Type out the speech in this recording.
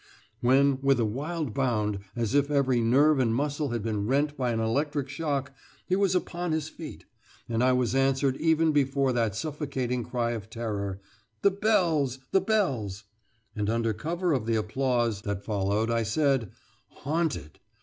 When with a wild bound, as if every nerve and muscle had been rent by an electric shock, he was upon his feet; and I was answered even before that suffocating cry of terror 'The bells! the bells!' and under cover of the applause that followed I said: 'Haunted!